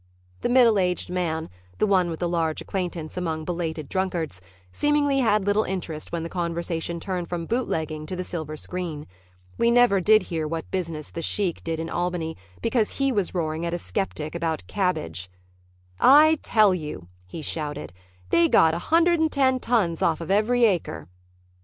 The middle aged man, the one with the large acquaintance among belated drunkards, seemingly had little interest when the conversation turned from bootlegging to the silver screen. We never did hear what business "The Sheik" did in Albany because he was roaring at a skeptic about cabbage. "I tell you," he shouted, "they got 110 tons off of every acre."